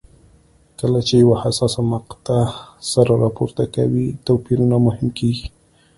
کله چې یوه حساسه مقطعه سر راپورته کوي توپیرونه مهم کېږي.